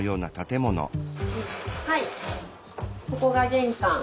はいここが玄関。